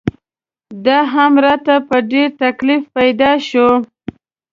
دا هم راته په ډېر تکلیف پیدا شو.